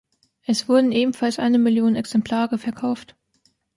Es wurden ebenfalls eine Million Exemplare verkauft.